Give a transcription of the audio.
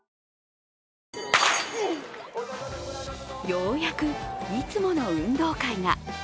ようやく、いつもの運動会が。